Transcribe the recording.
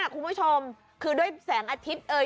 คุณผู้ชมคือด้วยแสงอาทิตย์เอ่ย